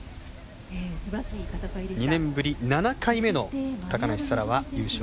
２年ぶり、７回目の高梨沙羅は優勝を決めています。